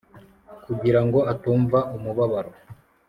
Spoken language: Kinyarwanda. kugira ngo atumva umubabaro